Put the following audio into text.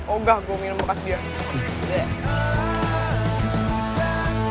oh enggak gue minum kasih dia